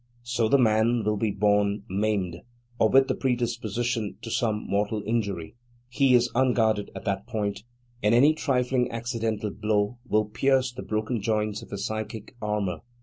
So the man will be born maimed, or with the predisposition to some mortal injury; he is unguarded at that point, and any trifling accidental blow will pierce the broken Joints of his psychic armour.